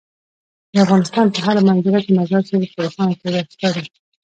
د افغانستان په هره منظره کې مزارشریف په روښانه توګه ښکاري.